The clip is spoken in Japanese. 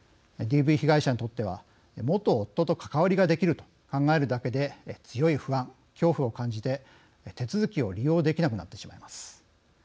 ＤＶ被害者にとっては、元夫と関わりができると考えるだけで強い不安、恐怖を感じて手続きを利用できなくなってしまいます。